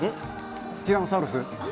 ティラノサウルス。